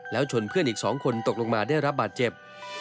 แล้วชนเพื่อนอีก๒คนตกลงมาได้รับบาดเจ็บ